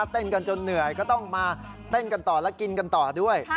เต้นกันจนเหนื่อยก็ต้องมาเต้นกันต่อและกินกันต่อด้วย